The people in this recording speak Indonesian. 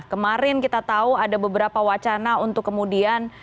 kemarin kita tahu ada beberapa wacana untuk kemudian